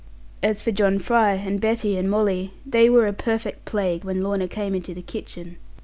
As for John Fry, and Betty, and Molly, they were a perfect plague when Lorna came into the kitchen.